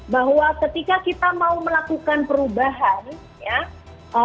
bahwa ketika kita mau melakukan perubahan ya